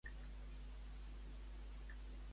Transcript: Arranja un esdeveniment a les dotze amb el papa.